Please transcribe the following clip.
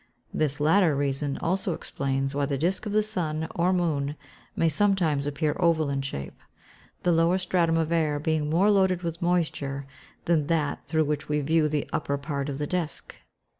This latter reason also explains why the disc of the sun or moon may sometimes appear oval in shape, the lower stratum of air being more loaded with moisture than that through which we view the upper part of the disc.